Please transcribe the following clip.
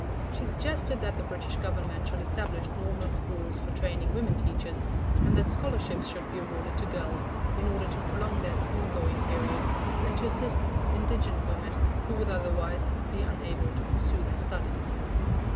She suggested that the British Government should establish normal schools for training women teachers, and that scholarships should be awarded to girls in order to prolong their school going period, and to assist indigent women who would otherwise be unable to pursue their studies.